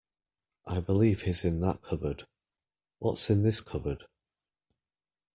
I believe he's in that cupboard. What's in this cupboard?